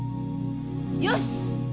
よし！